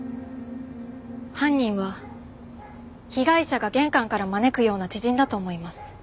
犯人は被害者が玄関から招くような知人だと思います。